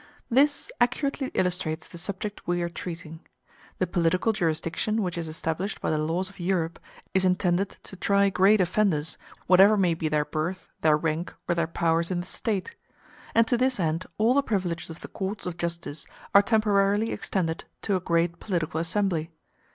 This accurately illustrates the subject we are treating. The political jurisdiction which is established by the laws of Europe is intended to try great offenders, whatever may be their birth, their rank, or their powers in the State; and to this end all the privileges of the courts of justice are temporarily extended to a great political assembly.